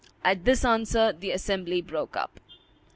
At this answer the assembly broke up.